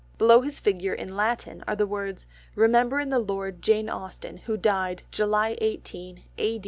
Below his figure, in Latin, are the words, "Remember in the Lord Jane Austen who died July 18, A.